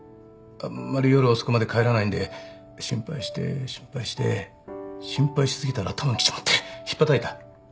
あんまり夜遅くまで帰らないんで心配して心配して心配し過ぎたら頭にきちまってひっぱたいた。